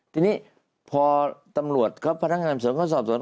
ทีนี้พอพนักงานสอบสวน